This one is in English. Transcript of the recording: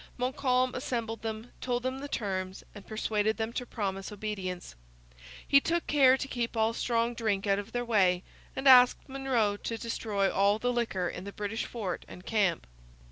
Montcalm assembled them, told them the terms, and persuaded them to promise obedience. He took care to keep all strong drink out of their way, and asked Monro to destroy all the liquor in the British fort and camp.